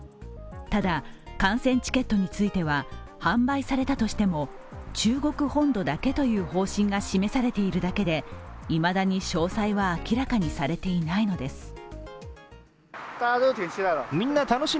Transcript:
ただ観戦チケットについては、販売されたとしても中国本土だけという方針が示されているだけでいまだに詳細は明らかにされていないのです。